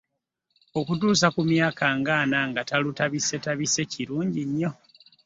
Okutuusa ku myaka nga ena nga talutabisetabise kirungi nnyo.